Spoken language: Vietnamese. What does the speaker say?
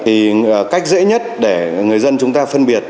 thì cách dễ nhất để người dân chúng ta phân biệt